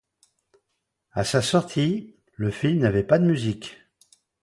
À sa sortie, le film n'avait pas de musique.